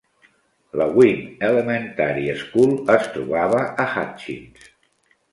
La Winn Elementary School es trobava a Hutchins.